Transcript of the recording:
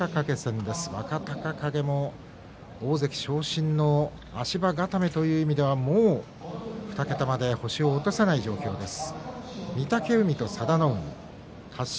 若隆景も大関昇進の足場固めという意味ではもう２桁まで星が落とせない状況です。